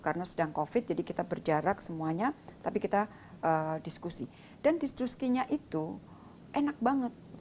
karena sedang covid jadi kita berjarak semuanya tapi di diskusi dan diskusinya itu enak banget